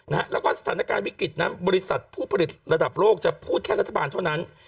แล้วก็สถานการณ์วิกฤตนั้นบริษัทผู้ผลิตระดับโลกจะพูดแค่รัฐบาลเท่านั้น